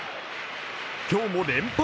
今日も連敗